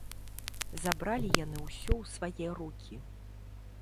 Забралі яны ўсё ў свае рукі.